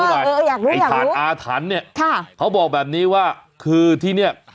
อยากรู้อยากรู้ไอ้ฐานอาฐานเนี้ยค่ะเขาบอกแบบนี้ว่าคือที่เนี้ย